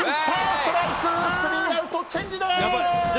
ストライクスリーアウトチェンジです。